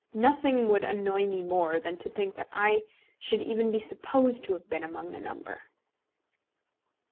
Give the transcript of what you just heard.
Nothing would annoy me more than to think that I should even be supposed to have been among the number.